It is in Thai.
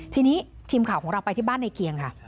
ทีนี้ทีมข่าวของเราไปที่บ้านในเกียงค่ะ